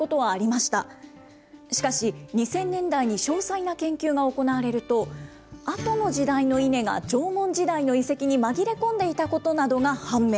しかし、２０００年代に詳細な研究が行われると、あとの時代のイネが縄文時代の遺跡に紛れ込んでいたことなどが判明。